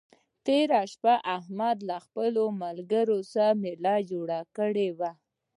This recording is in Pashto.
تېره شپه احمد له خپلو ملګرو سره مېله جوړه کړې وه.